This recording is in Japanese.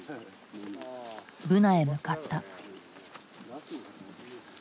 ブナへ向かった。